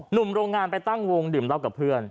หนุ่มโรงงานไปตั้งวงดื่มเหล้ากับเพื่อน